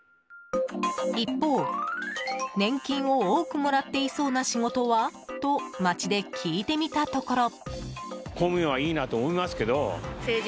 一方、年金を多くもらっていそうな仕事は？と街で聞いてみたところ。